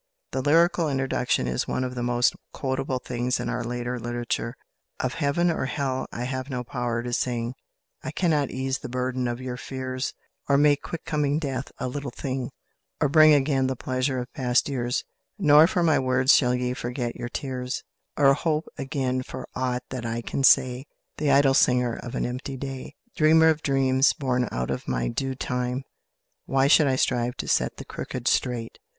The lyrical introduction is one of the most quotable things in our later literature: "Of Heaven or Hell I have no power to sing, I cannot ease the burden of your fears, Or make quick coming death a little thing, Or bring again the pleasure of past years, Nor for my words shall ye forget your tears, Or hope again for aught that I can say, The idle singer of an empty day. "Dreamer of dreams, born out of my due time, Why should I strive to set the crooked straight?